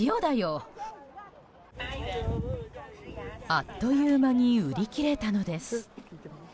あっという間に売り切れたのです。